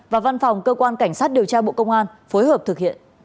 và văn phòng cơ quan cảnh sát điều tra bộ công an phối hợp thực hiện